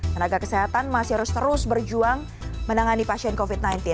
tenaga kesehatan masih harus terus berjuang menangani pasien covid sembilan belas